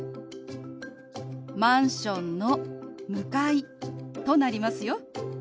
「マンションの向かい」となりますよ。